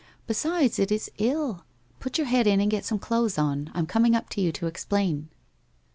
Besides it is ill. Put your head in and get some clothes on. I am com ing up to you to explain.'